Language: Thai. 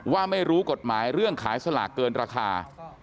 ว่าไม่รู้กฎหมายเรื่องขายสลากเกินราคา